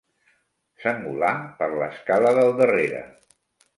S'engolà per l'escala del darrere.